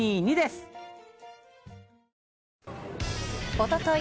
おととい